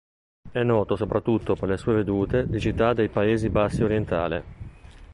È noto soprattutto per le sue vedute di città dei Paesi Bassi orientale.